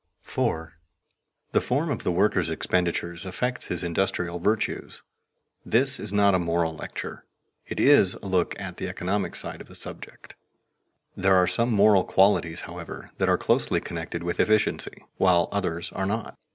[Sidenote: Reaction upon the character] 4. The form of the worker's expenditures affects his industrial virtues. This is not a moral lecture; it is a look at the economic side of the subject. There are some moral qualities, however, that are closely connected with efficiency, while others are not.